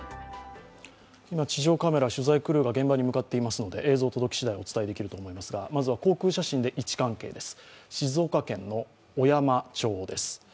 今、地上カメラ、取材クルーが現場に向かっていますので、映像届きしだい、お伝えできると思いますが、まずは航空写真で、位置関係です。